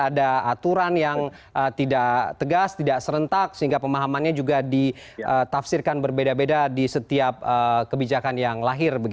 ada aturan yang tidak tegas tidak serentak sehingga pemahamannya juga ditafsirkan berbeda beda di setiap kebijakan yang lahir